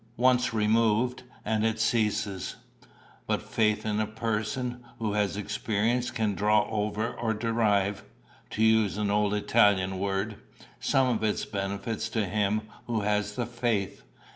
One remove, and it ceases. But faith in the person who has experienced can draw over or derive to use an old Italian word some of its benefits to him who has the faith.